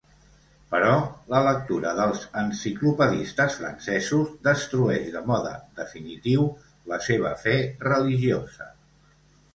Però la lectura dels enciclopedistes francesos destrueix de mode definitiu la seva fe religiosa.